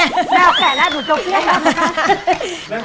แน่หนูจบเครื่องแล้วนะค่ะ